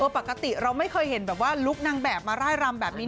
ปกติเราไม่เคยเห็นแบบว่าลุคนางแบบมาร่ายรำแบบนี้